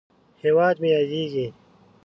هیواد مې ياديږي